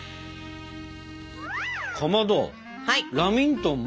かまどラミントン